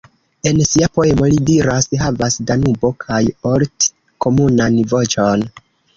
En sia poemo li diras: Havas Danubo kaj Olt komunan voĉon.